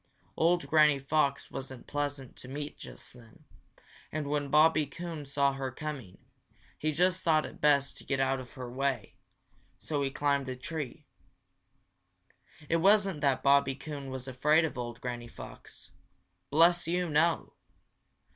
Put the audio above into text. Old Granny Fox wasn't pleasant to meet just then, and when Bobby Coon saw her coming, he just thought it best to get out of her way, so he climbed a tree. It wasn't that Bobby Coon was afraid of old Granny Fox. Bless you, no!